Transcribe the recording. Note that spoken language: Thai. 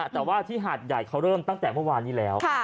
แต่ว่าที่หาดใหญ่เขาเริ่มตั้งแต่เมื่อวานนี้แล้ว